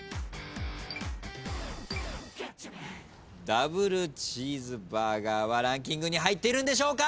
ダブルチーズバーガーはランキングに入っているんでしょうか？